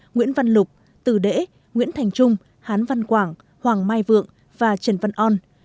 nguyễn văn lục tử đễ nguyễn thành trung hán văn quảng hoàng mai vượng và trần văn on